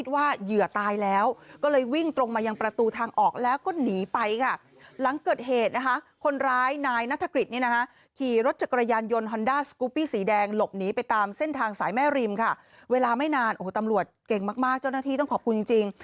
เวลาไม่นานโอ้โหตำรวจเก่งมากมากเจ้าหน้าที่ต้องขอบคุณจริงจริง